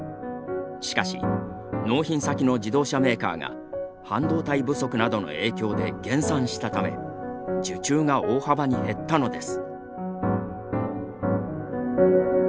しかし納品先の自動車メーカーが半導体不足などの影響で減産したため受注が大幅に減ったのです。